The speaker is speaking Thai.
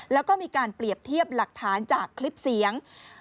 แล้วก็มีการเปรียบเทียบหลักฐานจากคลิปเสียง